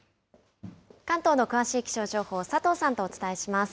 関東の詳しい気象情報、佐藤さんとお伝えします。